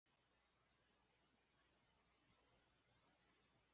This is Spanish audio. Significa que no se repite el servicio.